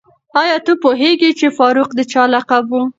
آیا ته پوهېږې چې فاروق د چا لقب و؟